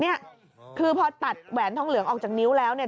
เนี่ยคือพอตัดแหวนทองเหลืองออกจากนิ้วแล้วเนี่ย